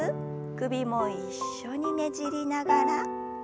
首も一緒にねじりながら。